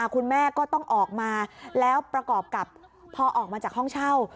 คุณแม่ก็ต้องออกมาแล้วประกอบกับพอออกมาจากห้องเช่า